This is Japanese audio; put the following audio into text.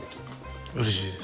うれしいです。